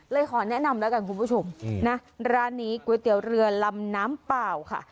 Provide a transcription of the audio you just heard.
ขอแนะนำแล้วกันคุณผู้ชมนะร้านนี้ก๋วยเตี๋ยวเรือลำน้ำเปล่าค่ะ